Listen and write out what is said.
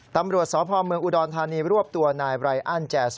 ตำรวจสภอมเมืองอุดอนธานีรวบตัวนายไบอ้านแจ่